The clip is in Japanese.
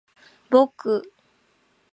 ぼく